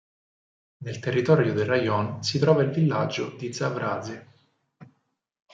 Nel territorio del rajon si trova il villaggio di Zavraž'e.